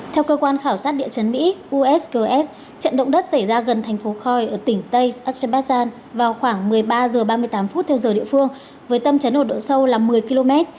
theo cơ quan khảo sát địa chấn mỹ ussgs trận động đất xảy ra gần thành phố coi ở tỉnh tây azerbastan vào khoảng một mươi ba h ba mươi tám phút theo giờ địa phương với tâm trấn ở độ sâu là một mươi km